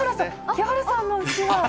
木原さんのうちわ。